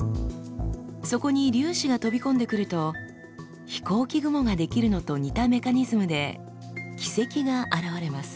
そこに粒子が飛び込んでくると飛行機雲が出来るのと似たメカニズムで軌跡が現れます。